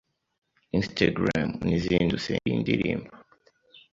instgrem n’izindi usenge eri indirimbo